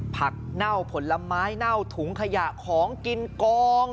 เน่าผลไม้เน่าถุงขยะของกินกอง